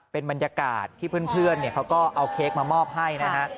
เป็นบรรยากาศที่เพื่อนเขาก็เอาเค้กมามอบให้นะฮะ